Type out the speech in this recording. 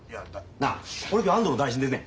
なあ俺今日安藤の代診ですねん。